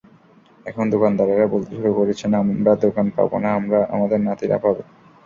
এখন দোকানদারেরা বলতে শুরু করেছেন—আমরা দোকান পাব না, আমাদের নাতিরা পাবে।